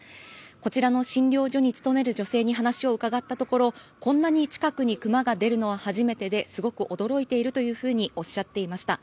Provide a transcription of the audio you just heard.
こちらの診療所に勤める女性に話を伺ったところこんなに近くにクマが出るのは初めてですごく驚いているというふうにおっしゃっていました。